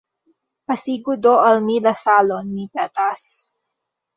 Pasigu do al mi la salon, mi petas.